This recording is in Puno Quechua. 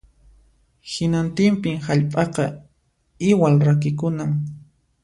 Hinantinpin hallp'aqa iwal rakikunan